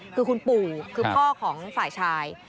คือคุณปู่คือพ่อของฝ่ายชาย